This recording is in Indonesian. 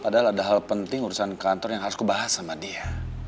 padahal ada hal penting urusan kantor yang harus kebahas sama dia